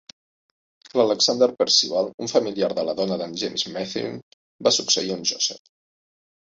L"Alexander Percival, un familiar de la dona d"en James Matheson, va succeir en Joseph.